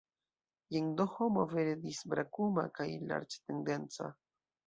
Jen do homo vere disbrakuma kaj larĝtendenca!